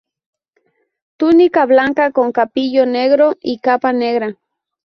Túnica blanca con capillo negro y capa negra.